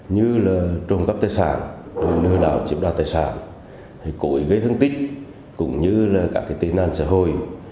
như trồng cắp tài sản lừa đảo chiếm đoạt tài sản cội gây thương tích tình năng xã hội